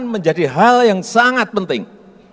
menjadi hal yang sangat penting